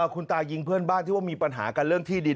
คุณตายิงเพื่อนบ้านที่ว่ามีปัญหากันเรื่องที่ดิน